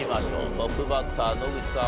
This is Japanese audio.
トップバッター野口さん